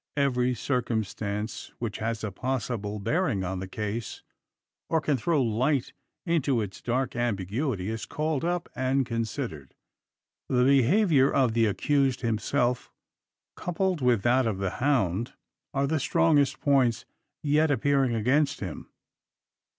Every circumstance which has a possible bearing on the case, or can throw light into its dark ambiguity, is called up and considered. The behaviour of the accused himself, coupled with that of the hound, are the strongest points yet appearing against him.